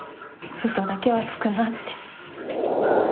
嘘だけはつくなって。